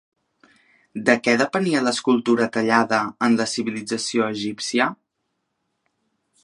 De què depenia l'escultura tallada en la civilització egípcia?